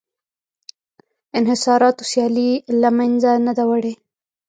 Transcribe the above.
انحصاراتو سیالي له منځه نه ده وړې